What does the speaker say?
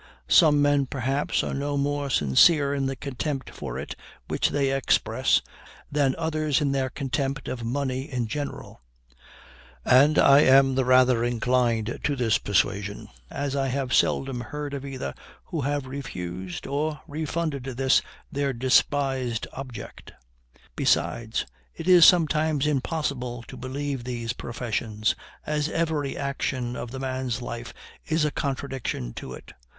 Some men, perhaps, are no more sincere in the contempt for it which they express than others in their contempt of money in general; and I am the rather inclined to this persuasion, as I have seldom heard of either who have refused or refunded this their despised object. Besides, it is sometimes impossible to believe these professions, as every action of the man's life is a contradiction to it.